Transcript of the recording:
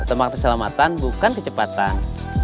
tempat keselamatan bukan kecepatan